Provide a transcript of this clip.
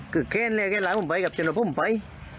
คือแค่นแหละแค่หลายผมไปกับเจนแล้วผมไป